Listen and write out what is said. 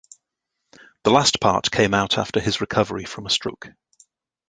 The last part came out after his recovery from a stroke.